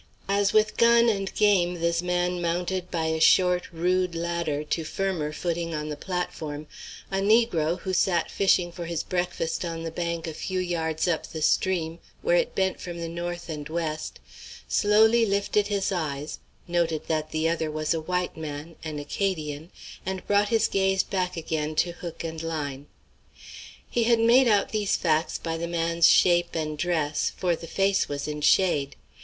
As with gun and game this man mounted by a short, rude ladder to firmer footing on the platform, a negro, who sat fishing for his breakfast on the bank a few yards up the stream, where it bent from the north and west, slowly lifted his eyes, noted that the other was a white man, an Acadian, and brought his gaze back again to hook and line. He had made out these facts by the man's shape and dress, for the face was in shade.